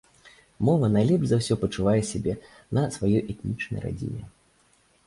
Мова найлепш за ўсё пачувае сябе на сваёй этнічнай радзіме.